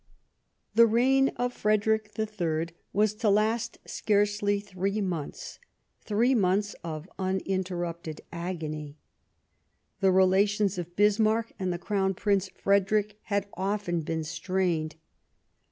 The reign of Frederick III was to last scarcely three months, three months of uninterrupted agony. The relations of Bismarck and the Crown Prince Frederick had often been strained.